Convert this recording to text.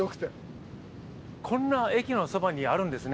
こんな駅のそばにあるんですね。